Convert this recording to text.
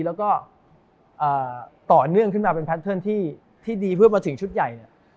แล้วก็ต่อเนื่องขึ้นมาเป็นแพทเทิร์นที่ดีเพื่อมาถึงชุดใหญ่เนี่ย